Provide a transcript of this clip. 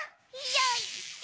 よいしょ！